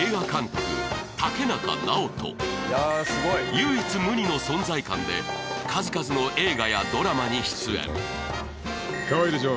唯一無二の存在感で数々の映画やドラマに出演かわいいでしょ？